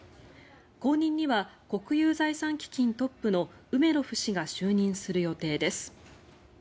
後任には国有財産基金トップのウメロフ氏が就任する予定です。